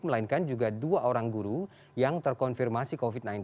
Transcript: melainkan juga dua orang guru yang terkonfirmasi covid sembilan belas